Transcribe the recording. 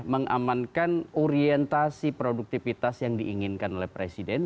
mengamankan orientasi produktivitas yang diinginkan oleh presiden